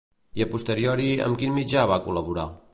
I a posteriori amb quin mitjà va col·laborar?